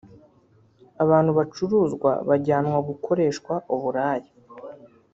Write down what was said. Abantu bacuruzwa bajyanwa gukoreshwa uburaya